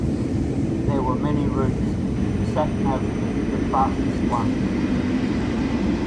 There were many routes, the sat-nav picked the fastest one.